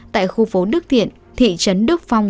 tại khu phố đức thiện thị trấn đức phong